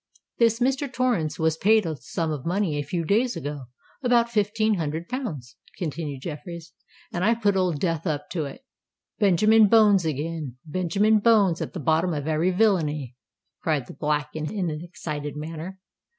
"This Mr. Torrens was paid a sum of money a few days ago—about fifteen hundred pounds," continued Jeffreys; "and I put Old Death up to it." "Benjamin Bones again—Benjamin Bones at the bottom of every villainy!" cried the Black, in an excited manner.